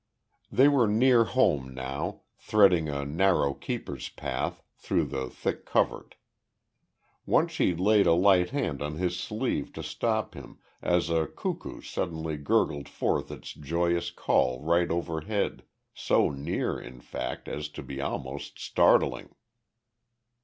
They were near home now, threading a narrow keeper's path, through the thick covert. Once she laid a light hand on his sleeve to stop him, as a cuckoo suddenly gurgled forth his joyous call right overhead, so near, in fact, as to be almost startling.